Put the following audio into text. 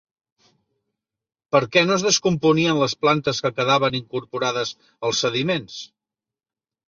Per què no es descomponien les plantes que quedaven incorporades als sediments?